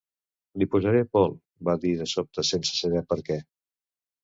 "Li posaré Paul", va dir de sobte sense saber per què.